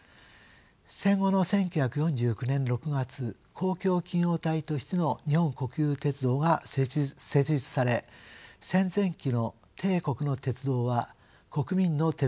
戦後の１９４９年６月公共企業体としての日本国有鉄道が設立され戦前期の帝国の鉄道は国民の鉄道に生まれ変わりました。